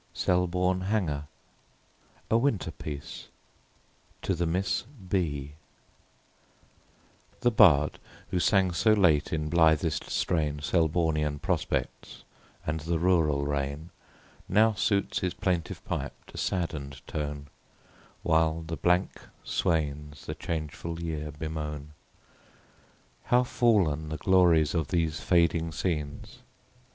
SELBORNE HANGER. A WINTER PIECE, TO THE MISS BS The bard, who sang so late in blithest strain Selbornian prospects, and the rural reign, Now suits his plaintive pipe to sadden'd tone, While the blank swains the changeful year bemoan. How fallen the glories of these fading scenes